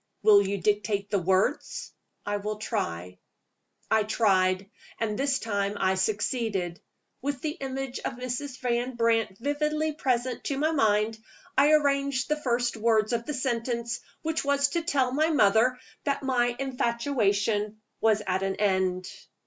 "Will you dictate the words?" "I will try." I tried; and this time I succeeded. With the image of Mrs. Van Brandt vividly present to my mind, I arranged the first words of the sentence which was to tell my mother that my "infatuation" was at an end!